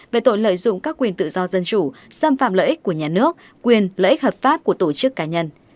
về tội lợi dụng các quyền tự do dân chủ xâm phạm lợi ích của nhà nước quyền lợi ích hợp pháp của tổ chức cá nhân